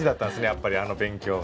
やっぱりあの勉強が。